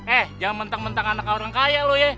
eh jangan mentang mentang anak orang kaya loh ya